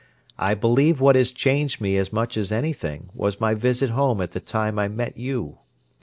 I believe what has changed me as much as anything was my visit home at the time I met you.